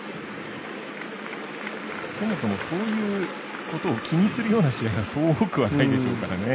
そもそも、そういうことを気にするような試合はそう多くはないでしょうからね。